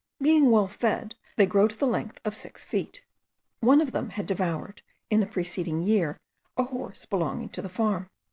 Being well fed, they grow to the length of six feet. One of them had devoured, in the preceding year, a horse belonging to the farm.